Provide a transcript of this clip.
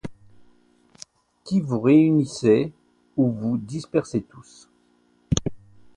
Qui vous réunissez ou vous dispersez tous